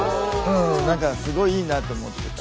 何かすごいいいなと思ってた。